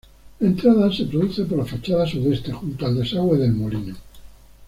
La entrada se produce por la fachada sudeste, junto al desagüe del molino.